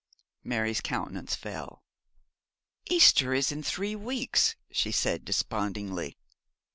Mary's countenance fell. 'Easter is in three weeks,' she said, despondingly.